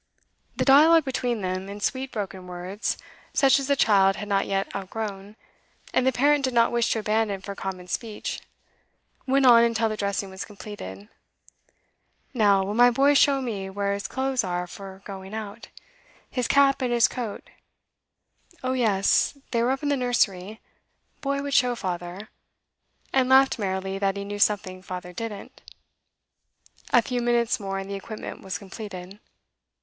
The dialogue between them, in sweet broken words such as the child had not yet outgrown, and the parent did not wish to abandon for common speech, went on until the dressing was completed. 'Now, will my boy show me where his clothes are for going out? His cap, and his coat ' Oh yes, they were up in the nursery; boy would show father and laughed merrily that he knew something father didn't. A few minutes more, and the equipment was completed.